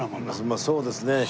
まあそうですね。